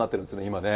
今ね。